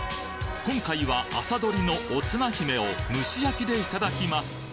今回は朝採りのおつな姫を蒸し焼きでいただきます